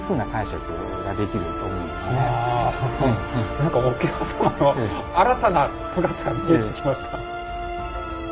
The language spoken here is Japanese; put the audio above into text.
何か桶狭間の新たな姿見えてきました。